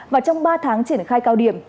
và trong ba tháng triển khai cao điểm